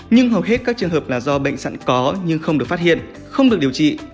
nhưng hầu hết các trường hợp là do bệnh sẵn có nhưng không được phát hiện không được điều trị